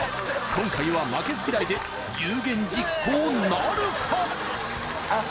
今回は負けず嫌いで有言実行なるか？